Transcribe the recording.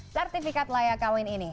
sertifikat layak kawin ini